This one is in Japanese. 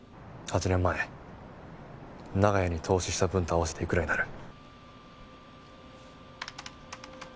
８年前長屋に投資した分と合わせていくらになる？